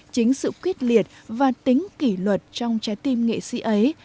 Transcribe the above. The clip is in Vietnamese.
chính sự quyết liệt và tính kỷ luật trong trái tim nghệ sĩ ấy